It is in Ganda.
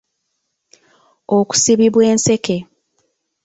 Okusibibwa enseke.